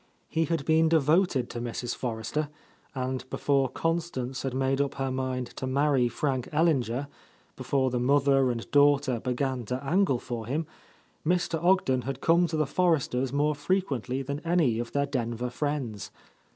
He had been devoted to Mrs. Forrester, and before Constance, had made up her mind to marry Frank Ellinger, before the mother and daughter began to angle for him, Mr. Ogden had come to the Forresters' more frequently than any of their Denver friends.